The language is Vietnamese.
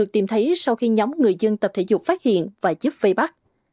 tìm thấy sau khi nhóm người dân tập thể dục phát hiện và giúp vây bắt